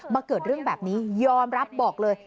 เกิดเรื่องแบบนี้ยอมรับบอกเลย